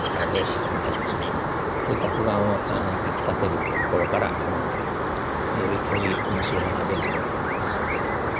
そういった不安をかきたてるところからより面白みが出るんだと思います。